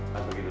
mas pergi dulu